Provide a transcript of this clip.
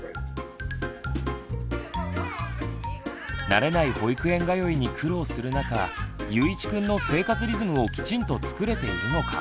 慣れない保育園通いに苦労する中ゆういちくんの生活リズムをきちんと作れているのか